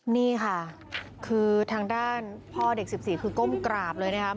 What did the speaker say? นี่ค่ะคือทางด้านพ่อเด็ก๑๔คือก้มกราบเลยนะครับ